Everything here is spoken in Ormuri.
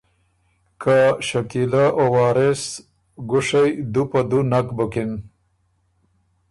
که شکیلۀ او وارث ګُوشئ دُو په دُو نک بُکِن۔